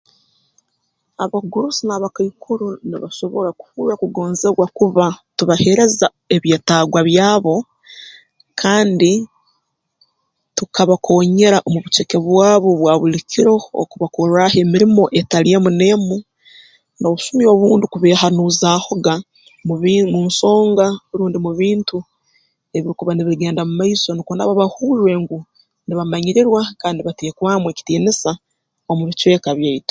Abagurusi n'abakaikuru nibasobora kuhurra kugonzebwa kuba tubaheereza ebyetagwa byabo kandi tukabakoonyera omu buceke bwabo obwa buli kiro okubakorraaho emirimo etali emu n'emu n'obusumi obundi kubeehanizaahoga mu bii mu nsonga rundi mu bintu ebirukuba nibigenda mu maiso nukwo nabo bahurre ngu nibamanyirirwa kandi nibateekwamu ekitiinisa omu bicweka byaitu